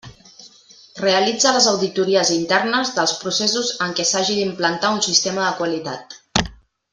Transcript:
Realitza les auditories internes dels processos en què s'hagi d'implantar un sistema de qualitat.